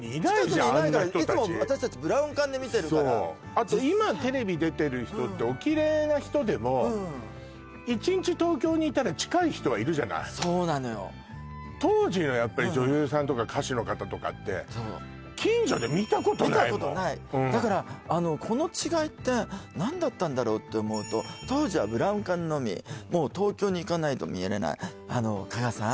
あんな人達いつも私達ブラウン管で見てるからあと今テレビ出てる人っておきれいな人でも１日東京にいたら近い人はいるじゃないそうなのよっ当時のやっぱり女優さんとか歌手の方とかって近所で見たことないもんだからこの違いって何だったんだろうって思うと当時はブラウン管のみもう東京に行かないと見れないあの加賀さん？